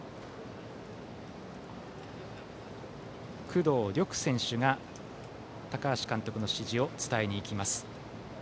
工藤緑選手が高橋監督の指示を伝えに行きます。